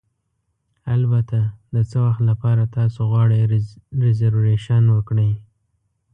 البته، د څه وخت لپاره تاسو غواړئ ریزرویشن وکړئ؟